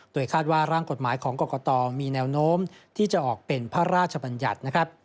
โดยคาดว่าร่างกฎหมายของกรกตมีแนวโน้มที่จะออกเป็นพระราชบัญญัตินะครับ